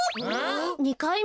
２かいめ？